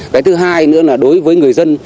cái thứ hai nữa là đối với người dân